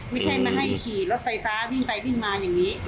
ไม่ใช่มาให้ขี่รถไฟฟ้าวิ่งไปวิ่งมาอย่างนี้